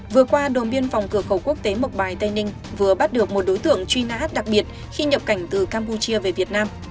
vừa qua đồn biên phòng cửa khẩu quốc tế mộc bài tây ninh vừa bắt được một đối tượng truy nã đặc biệt khi nhập cảnh từ campuchia về việt nam